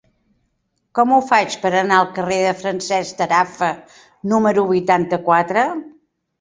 Com ho faig per anar al carrer de Francesc Tarafa número vuitanta-quatre?